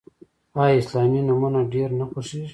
آیا اسلامي نومونه ډیر نه خوښیږي؟